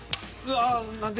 ああっ何で？